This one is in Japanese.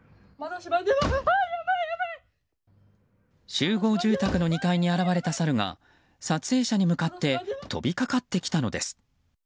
集合住宅の２階に現れたサルが撮影者に向かって飛びかかってきたのです。